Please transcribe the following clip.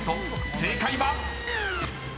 正解は⁉］